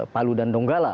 palu dan donggala